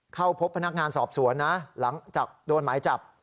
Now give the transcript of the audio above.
เข้าพบพนักงานสอบสวนนะหลังจากโดนหมายจับ